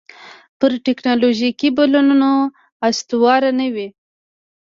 پر ټکنالوژیکي بدلونونو استواره نه وي.